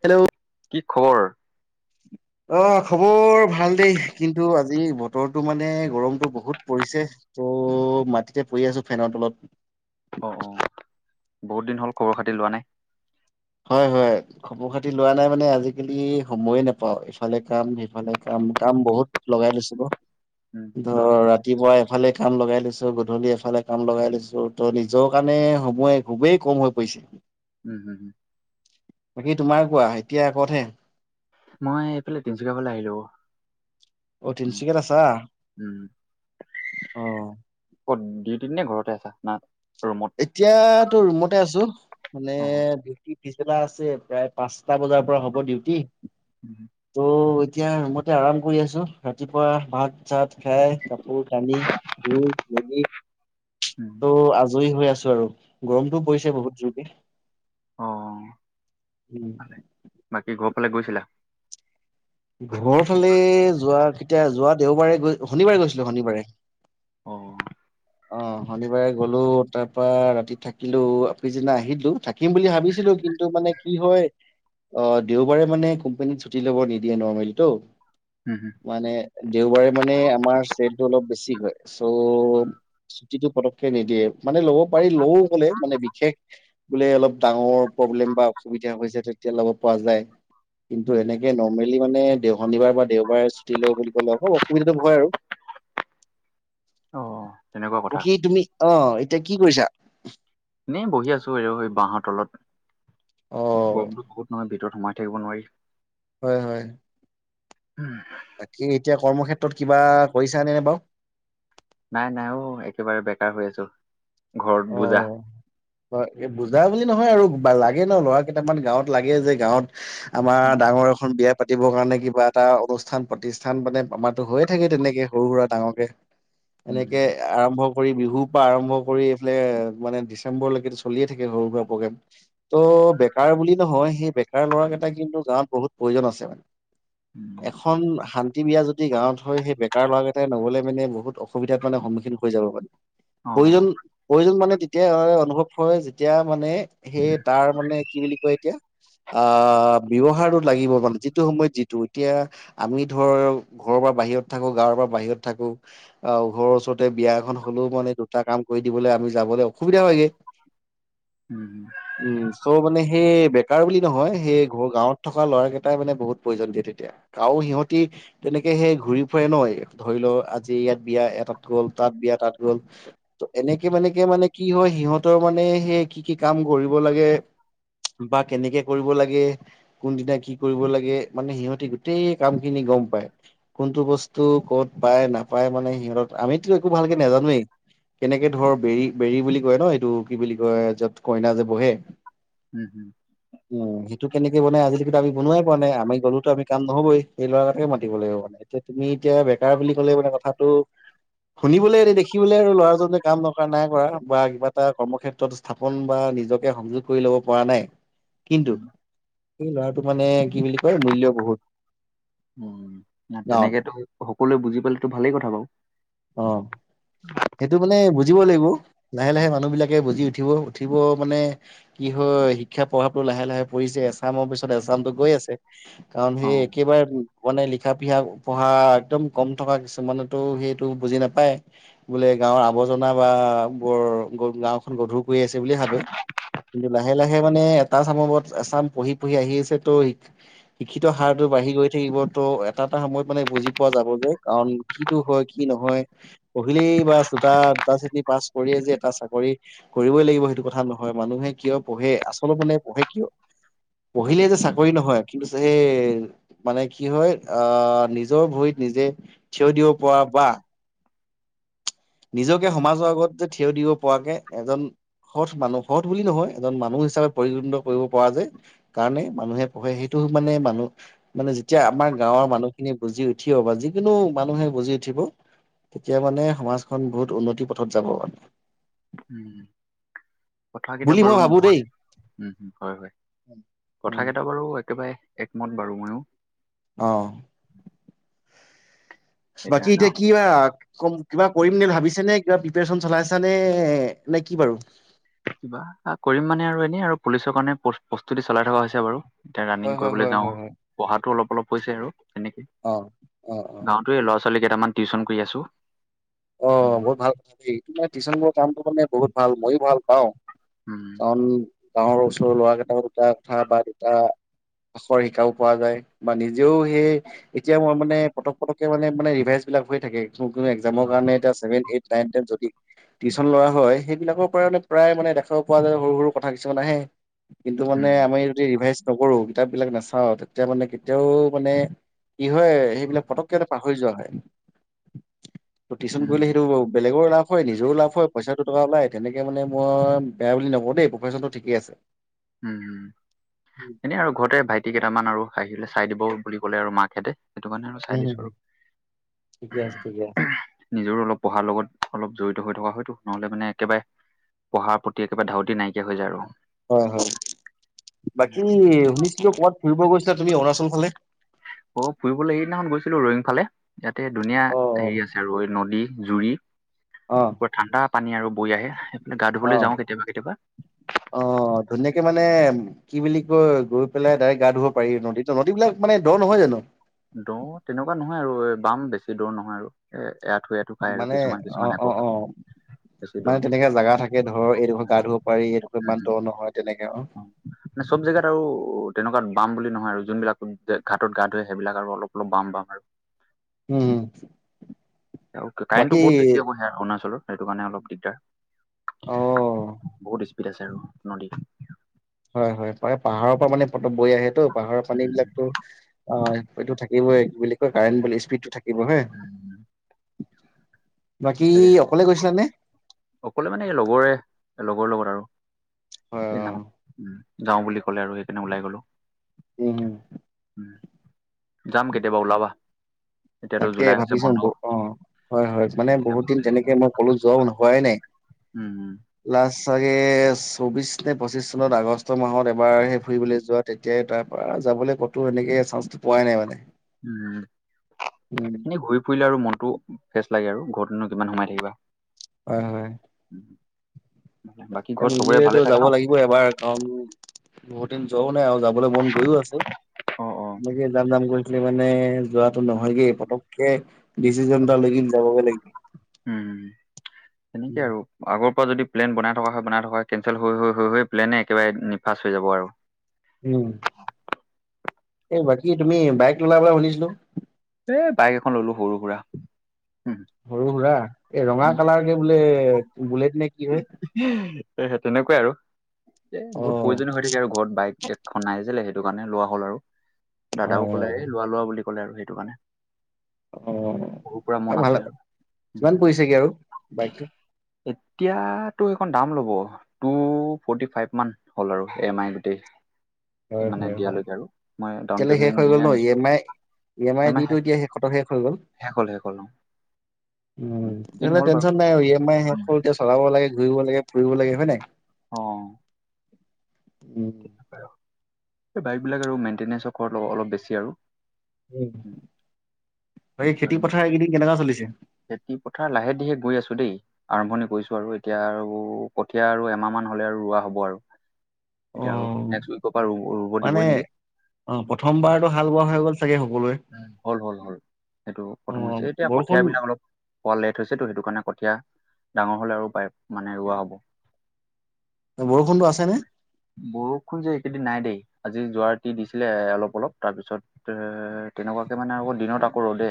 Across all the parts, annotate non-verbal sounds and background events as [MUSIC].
Hello. কি খবৰ। অ', খবৰ ভাল দেই, কিন্তু আজ আজি, বতৰো মানে, গৰমটো বহুত পৰিছে, ত' মাটিতে পৰি আছো, ফেনৰ তলত। অ', অ', বহুত দিন হ'ল, খবৰ-খাতি লোৱা নাই। হয়, হয়, খবৰ-খাতি লোৱা নাই মানে, আজিকালি সময়ে নোপাওঁ, ইফালে কাম, সিফালে কাম। কাম বহুত লগাই লৈছিলো, উম ধৰ ৰাতিপুৱাই এফালে কাম লগাই লৈছো, গধূলি এফালে কাম লগাই লৈছো, ত' নিজৰ কাৰণে, সময় খুবেই কম হৈ পৰিছে। উম, উম। বাকী, তোমাৰ কোৱা, এতিয়া ক'তহে? মই, এইফালে, তিনচুকীয়া ফালে আহিলো। অ', উম তিনিচুকীয়াত আছা, উম অ'। কত, ডিউটিত নে ঘৰতে আছা? না, ৰুমত? এতিয়া টো ৰুমতে আছো। মানে, অ পিছবেলা আছে। প্ৰায় পাঁচটা বজাৰ পৰা হ'ব ডিউটি। উম। ত' এতিয়া ৰুমতে আৰাম কৰি আছোঁ। ৰাতিপুৱা ভাত চাত খাই, কাপোৰ কানি ধুই মেলি, উম ত' আজি হৈ আছো আৰু। গৰমতটোও পৰিছে বহুত জোৰকে। অ, ভালে। বাকী ঘৰ ফালে গৈছিলা? ঘৰ ফালে, যোৱা কেতিয়া, যোৱা দেওবাৰে গৈ শনিবাৰে গৈছিলো। শনিবাৰে। অ। অ, শনিবাৰে গলো। তাৰ পৰা ৰাতি থাকিলো। আগদিনা আহিলো। থাকিম বুলি ভাবিছিলো কিন্তু মানে কি হয়। অ, দেওবাৰে মানে কোম্পানীত ছুটি লব নিদিয়ে নৰ্মেলিটো। উম হুম মানে, দেওবাৰে মানে আমাৰ চেলটো অলপ বেছি হয়। চ' চুটিটো পতককে নিদিয়ে। মানে ল'ব পাৰি লয়ও গলে মানে বিশেষ বোলে অলপ ডাঙৰ প্ৰব্লেম বা অসুবিধা হৈছে তেতিয়া ল'ব পৰা যায়। কিন্তু উম এনেকে নৰ্মেলি মানে, দেও শনিবাৰ দেওবাৰে ছুটি লম বুলি ক'লে অল অসুবিধাতটো হয় আৰু। অ। তেনেকুৱা অ, কথা কি তুমি আহ এতিয়া কি কৰিছা? এনে বহি আছো। আৰু বাঁহৰ তলত অ গৰমটো বহুত নহয়। ভিতৰত সোমাই থাকিব নোৱাৰি। হয়- হয়। হম। বাকী এতিয়া কৰ্মক্ষেত্ৰত কিবা কৰিছা নে -নে বাৰু? নাই- নাই অ, একেবাৰে বেকাৰ হৈ আছো। ঘৰত অ, বোজা। বুজা বুলি নহয় আৰু। বা লাগে ন। ল'ৰা কেইটামান গাওঁত লাগে যে, গাঁৱত আমাৰ উম ডাঙৰ এখন বিয়া পাতিবৰ কাৰণে কিবা এটা অনুষ্ঠান প্ৰতিষ্ঠান মানে আমাৰতো হৈয়ে থাকেই। তেনেকে সৰু সুৰা ডাঙৰকে। উম এনেকে আৰম্ভ কৰি, বিহুৰ পৰা আৰম্ভ কৰি, অ, মানে ডিচেম্বৰলৈকেটো চলিয়ে থাকে সৰু সুৰা প্ৰগ্ৰেম। ত, ' বেকাৰ বুলি নহয় সেই বেকাৰ ল'ৰা কেইটা কিন্তু গাঁৱত বহুত প্ৰয়োজন আছে মানে। উম, এখন শান্তি বিয়া যদি গাঁৱত হয়, সেই বক্ত তাৰ লৰা কেইটা এটা নহ'লে মানে বহুত অসুবিধাত মানে সন্মুখীন হৈ যাব মানে। অ। প্ৰয়োজন প্ৰয়োজন মানে, তেতিয়া অনুভৱ হয় যেতিয়া মানে সেই তাৰ মানে কি বুলি কয় এতিয়া। আহ, ব্যৱহাৰটো লাগিব মানে। যিটো সময়ত যিটো এতিয়া আমি ধৰ, ঘৰৰ পৰা বাহিৰত থাকো। গাঁৱৰ পৰা বাহিৰত থাকো। অ, ঘৰৰ ওচৰতে বিয়াখন হলেও মানে দুটা কাম কৰি দিবলৈও আমি যাবলৈ অসুবিধা হয়। উম উম, চ' মানে সেই কাৰ বুলি নহয়। সেই গাঁৱত থকা ল'ৰা কেইটাই মানে বহুত প্ৰয়োজন দিয়ে তেতিয়া। গাঁৱৰ সিহঁতি তেনেকে সেই, ঘূৰি ফুৰে ন। ধৰি লও আজি ইয়াত বিয়া এটাত গ'ল তাত বিয়া তাত গ'ল। এনেকে মনেকে মানে কি হয়, সিহঁতৰ মানে সেই কি কি কাম কৰিব লাগে। বা কেনেকে কৰিব লাগে কোনদিনা কি কৰিব লাগে। মানে সিহঁতি গোটেই কাম খিনি গম পাই। কোনটো বস্তু ক'ত পায়, নাপায় মানে, সিহঁত আমিতো একো ভালকে নাজানোৱেই। কেনেকে ধৰ বেৰী -বেৰী বুলি কয় ন এইটো কি বুলি কয় যত কইনা যে বহে। উম, হম। টো কেনেক বনাই আজিলিত আমি বনাই পোৱা নাই। আমি গলোটো আমি কাম নহবই। সেই লৰাৰাককে মাতিব লাগিব। এতিয়া তুমি এতিয়া বেকাৰ বুলি ক'লে মানে কথাটো শুনিবলৈ উম এ দেখিবলৈ আৰু ল'ৰাজন নাই কৰা বা কিবা এটা কৰ্মক্ষেত্ৰত স্থাপন বা নিজকে সংযোগ কৰি লব পৰা নাই কি স ল'ৰাটো মানে কি বুলি কয় মূল্যয় বহুত উ গাঁৱত তেনেকেতো সকলোৱে বুজি পালেতো ভালেই কথা বাৰু অ সেইটো মানে বুজিব লাগিব লাহে লাহে মানুহ বিলাকে বুজি উঠিব উঠিব মানে কি হয় শিক্ষা প্ৰভাৱটো লাহে লাহ লাহে পঢ়িছে এছামৰ পিছত এছামতটো গৈ আছে কাৰণ অ সেই একেবাৰে মানে শিক্ষা পষা পঢ়া একদম কম থকা কিছুমানেতো সেই বুজি নাপায় বোলে গাঁৱৰ আৱৰ্জনা বা বৰ গ গাওখন গধুৰ আছে বুলি ভাবে কিন্তু লাহে লাহে মানে এটা চাম এচাম পঢ়ি পুঢ়ি আহি আছে ত' শ শিক্ষিত হাৰটো বাঢ়ি গৈ থাকিব ত' এটা এটা সময়ত মানে বুজি পোৱা যাব কাৰণ কিটো হয় কি নহয় পঢ়িলেই বা দুটা দুটা শ্ৰেণী পাছ কৰিয়ে যে এটা চাকৰি কৰিবই লাগিব সেইটো কথা নহয় মানুহে কিয় পঢ়ে আচলতে মানে পঢ়ে কিয় পঢ়িলে যে চাকৰি নহয় কি সেই মানে কি হয় আ নিজ নিজৰ ভৰিত নিজে থিয় দিব পৰা বা নিজকে সমাজৰ আগত যে থিয় দিব পৰাকে এজন সৎ মানুহ সৎ বুলি নহয় এজন মানুহ হিচাপে পৰিগণিত কৰিব পৰা যায় কাৰণে মানুহে পঢ়ে সেইটো মানে মানুহ মানে যেতিয়া আমাৰ গাঁৱৰ মানুহখিনি বুজি উঠিব বা যিকোনো মানুহে বুজি উঠিব তেতিয়া মানে সমাজখন বহুত উন্নতি পথত যাব মানে উম কথ কেইটা বুলি মই বাৰু ভাবো দেই নহয়ম হয় হয় কথ উম কেইটা বাৰু একেবাৰে একমত বাৰু মইো আহ বচি এতিয়া ইতিয়া গাঁও কি বা কম কিবা কৰিম ন ভাবিছ নে কিবা প্ৰিপৰে্যন চলাইছা নে নে কি বাৰু কিবা কৰিম মানে আৰু এনেই আৰু পুলিচৰ কাৰণে প্ৰস্তুতি চলাই থকা হৈছে বাৰু এতিয়া ৰাণিং হয় হয় কৰিবলৈ হয় যাওঁ হয় হয় পঢ়াতো অলপ অলপ হৈছে আৰু তেেনেকে অ অ অ গাওতে লৰা ল' ছোৱালী কেইটামান টিউশ্যন কৰি আছো অ উম, বহুত ভাল কথা দে টিউচনোৰৰ কামটো মানে বহুত ভাল মইো ভাল পাওঁ উম, কাৰণ গাঁৱৰ ওচৰৰ লৰা কেইট দুটা কথা বা দুটা আখৰ শিকাব পোৱা যায় বা নিজেও সেই এতিয়া মই মানে পতক পটকে মানে মানে ৰিভাইজ এইলাক হৈ থাকে ক কোনো এক্সাম হয়। কাৰণে এতিছেভেন এইট নাইন টেন যদি টিউশচন লৰা হয় সেইবিলাকৰ পৰা মানে প্ৰায় মানে দেখাব পোৱা যায় সৰু সৰু কথা কিছুমান আহে কিন্তু মানে উম, আমি যদি ৰিভাইজ নকৰো কিতাপ বিিলাক নাচাওঁ তেতিয়া মানে কেতিয়াও মানে কি হয় সেইবিলাক পতককেটা পাহৰি যোৱা হয় টিশন কৰিলে উম, সেইটো বলেগৰ লাভ হয় নিজেও লাভ হয় পইচাটো টকা ওলাই তেনেকে মানে মই বেয়া বুলি নকওঁ দেই প্ৰফেচনটো ঠিকেই আছে উম, উম এনেই আৰু ঘৰতে ভাইটি কেইটামান আৰু খাঁ লৈ চাই দিব বুলি ক'লে আৰু মাকাহেঁতে সেইটো কাৰণে আৰু চাই দিছো হম, আৰু ঠিকে আছে ঠিকে আছে নিজৰ অলপ পঢ়াৰ লগত অলপ জড়িত হৈ থকা হয়তো নহলে মানে একেবাৰে পঢ়াৰ প্ৰতি একেবাৰে ধাউতি নাইকিয়া হৈ যায় আৰু হয় হয় বাকী শুনিছো কিয় কাত ফুৰিব গৈছিলা তুমি অৰুণাচল ফালে অ ফুৰিবলৈ সেইদিনাখন গৈছিলো ৰইিং ফালে ইয়াতে ধুনীয়া অ হেৰি আছে ৰই নদী জুৰি পৰা ঠাণ্ডা পানী আৰু বৈ আহে গা অ ধুবলৈ যাওঁ কেতিয়াবা কেতিয়াবা অ ধুনীয়াকে মানে কি বুলি কয় গৈ পেলাই ডাইৰেক্ গা ধুব পাৰি নদীত নদীবিলাক মানে ধৰ নহয় জানো দ তেনেকুৱা নহয় আৰু এই বাম বেছি দৌৰ নহয় আৰু এ আঁঠু আঠু খাই আৰু মানে কিছুমান অ কিছুমান অ একো অ খায় বেছি দৌৰ মানে নহয় তেনেককাে জাগগা থাকে ধৰ এইডোখৰ গা ধুব পাৰি এইডোখৰ ইমান দৰ নহয় তেনেকে অ মানে চব জেগাৰ আৰু তেনেকুৱা ন বাম বুলি নহয় আৰু যোনবিলাক ঘাটত গা ধুৱে সেইবিলাক আৰু অলপ অলপ বাম বাম আৰু উম কাৰেণ্টটো বাকী বহুত বেছি হৈয়া অৰুণাচলৰ সেইটো কাৰণে অলপ দিগদাৰ। অ বহুত স্পীড আছে আৰু নদীত, হয় হয় পাই, পাহাৰৰ পৰা মানে পত বৈ আহে তো পাহাৰৰ পানী উম, বিলাকো অ সটো থাকিবই বুলি, উম, কাৰেণ্ট বলে স্পীডটো থাকিব হে। উম, বাকী তাকে অকলে গৈছিলানে। অকলে মানে লগৰে লগৰ লগত আৰু হয় অ স যাওঁ বুলি ক'লে আৰু সেইকাৰণে ওলাই গলো। উ হম, যাম কেতিয়াবা ওলাবা। এতিয়াতো তাকে জুলাই হৈছে ভাবিছো বন্ধ অ হয় হয় মানে তেতিয়া বহুত ভাল দিন লাগিব তেনেকে মই কলো যোৱাও সোৱাই নাই। উম উম। লাষ্ট চাগে চৌবিশ নে পঁচিশ চনত আগষ্ট মাহত এবাৰহে ফুৰিবলৈ যোৱা তেতিয়াই তাৰ পৰা। যাবলৈ ক'তো এনেকে চাঞ্চ পোৱাই নাই মানে। উম, উম উম এনে ঘূৰি ফুৰিলে আৰু মন ফ্ৰেচ লাগে আৰু ঘৰতেনো কিমান সোমাই থাকিবা। হয় হয়। উম, বাকী তাকে ঘৰত চবৰে ভালে মিলিলেতো চাগে যাব ন লাগিব এবাৰ। কাৰণ, বহুত দিন যোৱাও নাই, আৰু যাবলৈ মন গৈও আছে অ অ এনেকে যাম যাম কৰি। খালি মানে যোৱাটো নহয়গে, পতককে ডিচিচন এটা লৈ যাবগে লাগিব। উম, তেনেকে আৰু আগৰ যদি প্লেন বনাই থকা হয়, বনাই থকা কেনচেল হৈ হৈ হৈ হৈ প্লেনে একেবাৰে নিফাচ হৈ যাব আৰু। উম। এই বাকী তুমি বাইক ললা বোলে শুনিছিলো। এ বাইক এখন ললো সৰু-সুৰা। সৰু-সুৰা, এই ৰঙা কালাৰকে বোলে বুলেট নে কি হয়? হে তেনেকুৱাই আৰু এ বহুত অ', প্ৰয়োজনীয় হৈ থাকে আৰু ঘৰত বাইক এখন নাই যে সেই সেইটো কাৰণে লোৱা হ'ল আৰু, দাদাও অ'। ক'লে এ লোৱা লোৱা বুলি ক'লে আৰু সেইটো কাৰণে। সৰুৰ পৰা মন অ' ভাল আছিলে আ আৰু কিমান পৰিছেগে আৰু বাইকটো? এতিয়া তোৰ সেইখন দাম ল'ব টু ফৰ্টি ফাইভ মান হ'ল আৰু এম আই গোটেই। হয় মানে হয় হয়, দিয়ালৈকে আৰু মই ডাউন এতিয়ালৈ শেষ পে'মেণ্ট হৈ গ'ল দিয়ে ন ই আনিছোঁ M I. E M I দিটো এতিয়া শেষতো শেষ হৈ গ'ল। শেষ হ'ল শেষ হ'ল অ উম, দিন তেতিয়াহ'লে হ'ল বাৰু টেনচন নাই আৰু ই এম আই শেষ এতিয়া চলাব লাগে, ঘূৰিব লাগে ফুৰিব লাগে। হয় নাই? অ'। উম, আৰু বাইক বিলাক আৰু [UNINTELLIGIBLE] অলপ বেছি আৰু। বাকী, আৰু খেতি পথাৰ এইকেইদিন কেনেকা চলিছে? খেতি পথাৰ লাহে ধিৰে কৰি আছো দেই। আৰম্ভণি কৰিছো আৰু এতিয়া আৰু কঠীয়া আৰু এমাহ মান হলে আৰু ৰোৱা হ'ব আৰু এতিয়া আৰু অ'। নেক্সট উইক পৰা ৰুব মানে দিবই নেকি। অ' প্ৰথমবাৰতো হাল বোৱা হৈ গ'ল চাগে সকলোৱে। উম, হ'ল হ'ল হ'ল। সেইটো অ প্ৰথম হৈছে। এতিয়া বৰষুণ কঠিয়াবিলাক অলপ পোৱা লেট হৈছেতো সেইটো কাৰণে কঠীয়া ডাঙৰ হলে আৰু পাইপ মানে ৰুৱা হ'ব। বৰষুণতো আছেনে বৰষুণ যে এইকেইদিন নাই দেই। আজি যোৱা ৰাতি দিছিলে এ অলপ অলপ তাৰ পিছত এ তেনেকুৱাকে মানে আকৌ দিনত আকৌ ৰ'দে।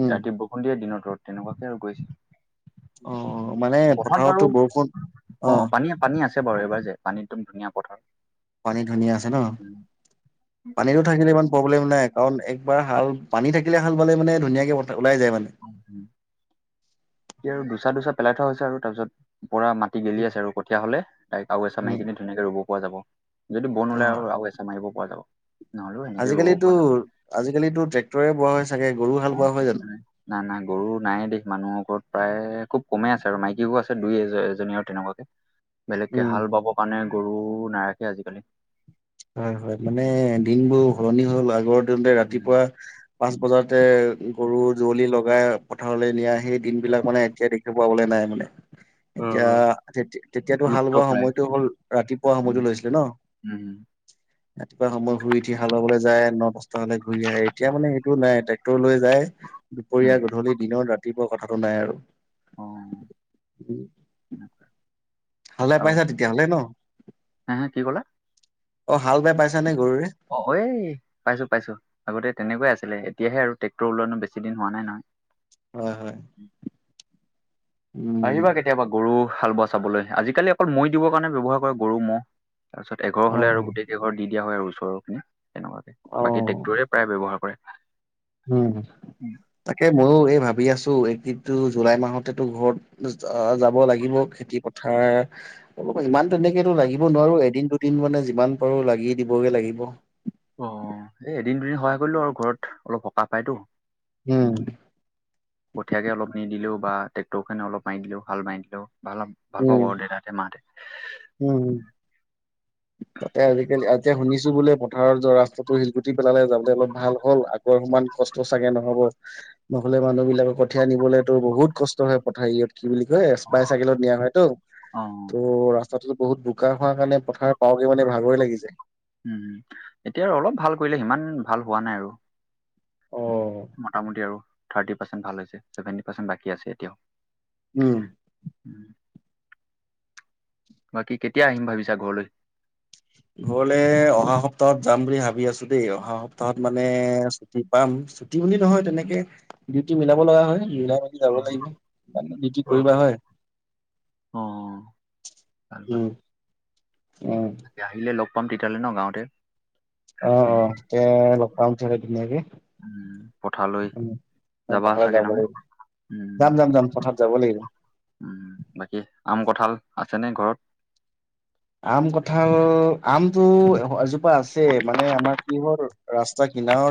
উম ৰাতি বৰষুণ দিয়ে দিনত ৰ'দ তেনেকুৱাকে [UNINTELLIGIBLE] অ' মানে পথাৰত বাৰু পথাৰতো বৰষুণ, অ তে বৰ এবাৰ যে পানীত'দম ধুনীয়া পথাৰ পানী ধুনীয়া আছে ন? পানীতো থাকিলে ইমান প্ৰব্লেম নাই। কাৰণ একবাৰ হাল পানী থাকিলে হাল বালে মানে ধুনীয়াকে পতা এয়া আৰু দুচা-দুচা পেলাই থোৱা হৈছে আৰু তাৰপিছত পোৰা মাটি গেলি আছে আৰু, কঠীয়া হ'লে, তাইক আৰু এচাহ মাৰি উম কিনি ধুনীয়াকে ৰুব পৰা যাব। যদি বন অ ওলাই আৰু, আৰু এচাহ মাৰিব পৰা যাব। নহ'লেও সেনেকে ৰুব আজিকালিতো, পৰা যাব। আজিকালিতো, ট্ৰেক্টৰে বোৱা হৈছে। নাই, নাই গৰু নাই দেই, মানুহৰ ঘৰত প্ৰায় খুব কমে আছে আৰু, মাইকী গৰু আছে, দুই এ এজনী আৰু তেনেকুৱাকে, বেলেগকে উম হাল বাব কাৰণে গৰু নাৰাখে আজিকালি। হয়, হয়, মানে দিনবোৰ সলনি হ'ল, আগৰ দিনতে ৰাতিপুৱা পাঁচ বজাতে, গৰু যুুৱলি লগাই পথাৰলৈ নিয়া, সেই দিনবিলাক মানে এতিয়া দেখিব পাবলৈ নাই মানে। এতিয়া, তেতিয়াতো লুপ্ত হাল-বোৱা প্ৰায় সময়টো হ'ল, ৰাতিপুৱা উম সময়টো লৈছিলে ন। উম ৰাতিপুৱা সময় শুই উঠি হাল বাবলৈ যায়, ন, দচটা হলে ঘূৰি আহে, এতিয়া মানে, সেইটো নাই ট্ৰেক্টৰ লৈ যায়। দুপৰীয়া উম গধূলি দিনৰ ৰাতিপুৱা কথাটো নাই আৰু অ' উম হালে আৰু পাইছা তেতিয়াহ'লে ন হে হে কি ক'লা? অ হাল বাই পাইছা নে গৰুৰে অ এ পাইছো পাইছো আগতে তেনেকুৱেই আছ ছিলে এতিয়া আৰু টেক্টৰ ওলোৱা বেছিদিন হোৱা নাই নহয় হয় হয় উম আহিবা কেতিয়াবা গৰু হাল বোৱা চাবলৈ আজিকালি অকল মৈ দিবৰ কাৰণে ব্যৱহাৰ কৰে গৰু ম'হ তাৰপিছত এঘৰ অ হ'লে আৰু গোটেই কেইঘৰ দি দিয়া হয় আৰু ওচৰখিনি তেনেকুৱাকে অ বাকী ট্ৰেক্টৰে প্ৰায় ব্যৱহাৰ কৰে উম উম। তাকে ময়ো এই ভাবি আছো কিন্তু জুলাই মাহতেতো ঘৰত যাব লাগিব খেতি পথাৰ অলপ ইমান তেনেকো লাগিব নোৱাৰো এদিন দুদিন মানে যিমান পাৰো লাগি দিবগে লাগিব অ এই এদিন দুদিন সহায় কৰিলো আৰু ঘৰত অলপ সকাহ পাইতো উম কঠিয়াকে অলপ নিদিলেও বা ট্ৰেক্টৰ খনে অলপ মাৰি দিলেও হাল বাৰি দিলেও ভাল ভাল পাব আৰু দেউতাতে মাহতে উম উম তাতে আজিকালি এতিয়া শুনিছো বোলে পথাৰৰ যোৱা ৰাস্তাটো শিলগুটি পেলালে যাবলে অলপ ভাল হ'ল আগৰ সম ইমান কষ্ট চাগে নহব নহলে মানুহ বিলাকক কঠিয়াই নিবলেতো বহুত কষ্ট হয় পথাৰ সেৰিয়ত কি বুলি কয় স্পাই চাইকেলত নিয়া হয়টো অ ত' ৰাস্তাটোতো বহুত বোকা হোৱা কাৰণে পথাৰত পাওঁকে মানে ভাগৰে লাগি যায় উম এতিয়া আৰু অলপ ভাল কৰিলে সিমান ভাল হোৱা নাই আৰু মোটামুটি আৰু থাৰ্টি পাৰ্চেণ্ট ভাল হৈছে ছেভেন্টি পাৰ্চেণ্ট বাকী আছে এতিয়াও উম বাকী কেতিয়া আহিম ভাবিছা ঘৰলৈ? ঘৰলে অহা সপ্তাহত যাম বুলি ভাবি আছোঁ দেই অহা সপ্তাহত মানে ছুটি পাম। ছুটি বুলি নহয় তেনেকে ডিউটি মিলাব লগা হয় মিলাই যাব লাগিব, বাকি ডিউটি কৰিবা হয়। অ' ভাল-ভাল। উম, উম। তাকে আহিলে লগ পাম তেতিয়া হ'লে ন' গাঁৱতে। অ'-অ' তে লগ পাম তে ধুনীয়াকে। পথাৰলৈ উম, যাবা পথাৰলৈ চাগে যাব নহয় লাগিব। যাম-যাম-যাম পথাৰলৈ যাব লাগিব। উম, বাকী আম কঁঠাল আছেনে ঘৰত? আম কঁঠাল, আমটো এজোপা আছে মানে আমাৰ কি হ'ল ৰাস্তা কিনাৰতে